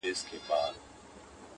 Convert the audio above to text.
• کله کله به یې ویني کړه مشوکه -